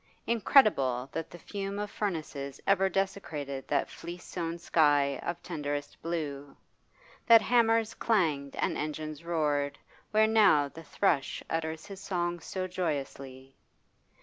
Incredible that the fume of furnaces ever desecrated that fleece sown sky of tenderest blue, that hammers clanged and engines roared where now the thrush utters his song so joyously.